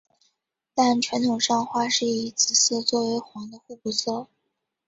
但传统上画师以紫色作为黄的互补色。